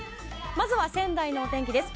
まずは仙台のお天気です。